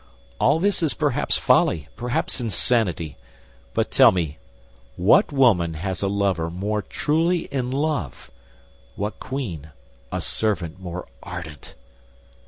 All this is perhaps folly—perhaps insanity; but tell me what woman has a lover more truly in love; what queen a servant more ardent?"